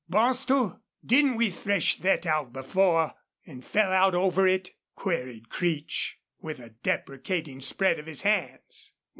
"Bostil, didn't we thresh thet out before an' FELL out over it?" queried Creech, with a deprecating spread of his hands.